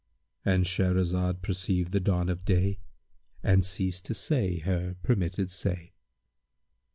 —And Shahrazad perceived the dawn of day and ceased to say her permitted say.